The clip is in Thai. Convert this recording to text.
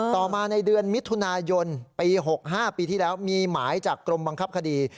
ต่อมาในเดือนมิถุนายนปี๖๕ปีที่แล้วมีหมายจากกรมบังคับคดี